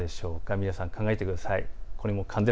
皆さん考えてください。